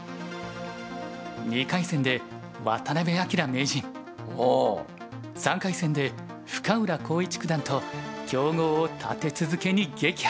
２回戦で渡辺明名人３回戦で深浦康市九段と強豪を立て続けに撃破。